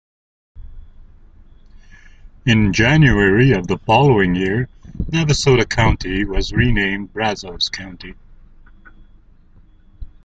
In January of the following year Navasota County was renamed Brazos County.